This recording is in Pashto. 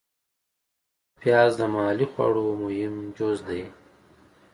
پیاز د محلي خواړو مهم جز دی